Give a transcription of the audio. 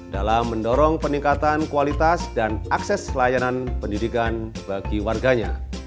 dalam mendorong peningkatan kualitas dan akses layanan pendidikan